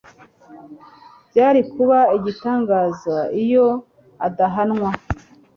byari kuba igitangaza iyo adahanwa